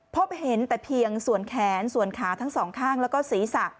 พบเห็นแต่เพียงส่วนแขนส่วนขาทั้งสองข้างแล้วก็ศีรษะ